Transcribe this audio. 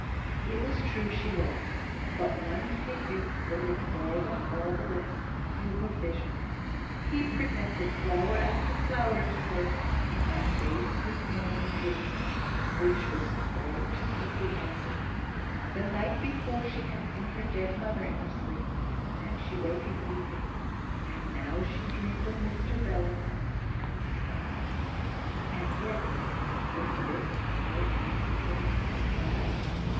It was true she was; but one figure flitted more than all the rest through her visions. He presented flower after flower to her in that baseless morning dream, which was all too quickly ended. The night before, she had seen her dead mother in her sleep, and she wakened, weeping. And now she dreamed of Mr Bellingham, and smiled. And yet, was this a more evil dream than the other?